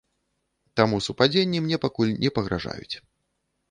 Таму супадзенні мне пакуль не пагражаюць.